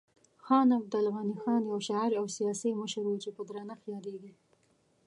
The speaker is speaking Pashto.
خان عبدالغني خان یو شاعر او سیاسي مشر و چې په درنښت یادیږي.